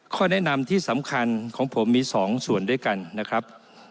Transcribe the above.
ข้อแนะนำที่สำคัญของผมมี๒ส่วนด้วยกันนะครับ